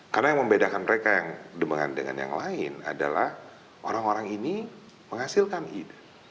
karena yang membedakan mereka dengan yang lain adalah orang orang ini menghasilkan ide